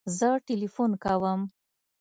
زه تلیفون کوم